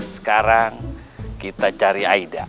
sekarang kita cari aida